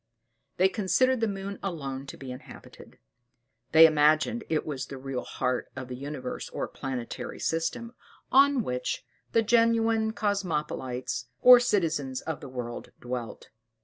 They considered the moon alone to be inhabited: they imagined it was the real heart of the universe or planetary system, on which the genuine Cosmopolites, or citizens of the world, dwelt.